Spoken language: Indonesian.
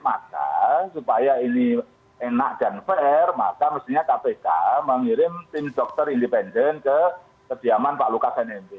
maka supaya ini enak dan fair maka mestinya kpk mengirim tim dokter independen ke kediaman pak lukas nmb